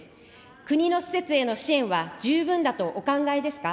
国の施設への支援は十分だとお考えですか。